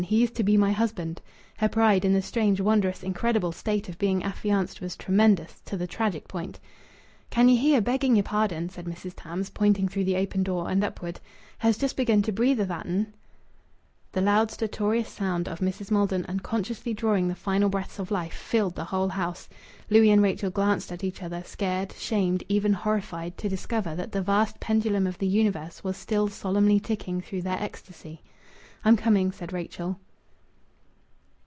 He is to be my husband." Her pride in the strange, wondrous, incredible state of being affianced was tremendous, to the tragic point. "Can ye hear, begging yer pardon?" said Mrs. Tams, pointing through the open door and upward. "Her's just begun to breathe o' that'n [like that]." The loud, stertorous sound of Mrs. Maldon unconsciously drawing the final breaths of life filled the whole house. Louis and Rachel glanced at each other, scared, shamed, even horrified, to discover that the vast pendulum of the universe was still solemnly ticking through their ecstasy. "I'm coming," said Rachel.